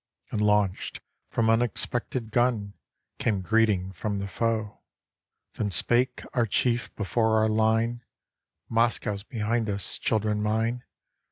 And launched from unexpected gun Came greeting from the foe. Then spake our chief before our line; "Moscow 's behind us, children mine!